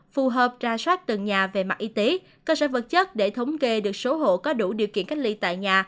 phù hợp ra soát từng nhà về mặt y tế cơ sở vật chất để thống kê được số hộ có đủ điều kiện cách ly tại nhà